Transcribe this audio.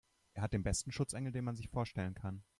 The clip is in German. Er hat den besten Schutzengel, den man sich vorstellen kann.